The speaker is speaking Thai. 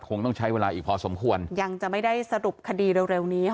คงต้องใช้เวลาอีกพอสมควรยังจะไม่ได้สรุปคดีเร็วนี้ค่ะ